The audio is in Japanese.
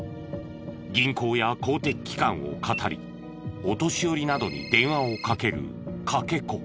銀行や公的機関をかたりお年寄りなどに電話をかけるかけ子。